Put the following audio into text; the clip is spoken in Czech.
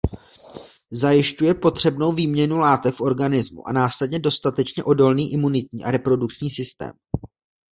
Zajišťuje potřebnou výměnu látek v organismu a následně dostatečně odolný imunitní a reprodukční systém.